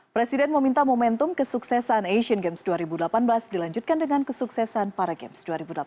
presiden meminta momentum kesuksesan asian games dua ribu delapan belas dilanjutkan dengan kesuksesan para games dua ribu delapan belas